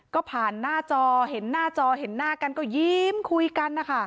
ก็ผ่านหน้าจอเห็นหน้าจอเห็นหน้ากันก็ยิ้มคุยกันนะคะ